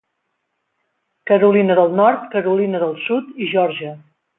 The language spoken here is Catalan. Carolina del Nord, Carolina del Sud i Geòrgia.